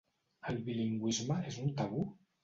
El bilingüisme és un tabú?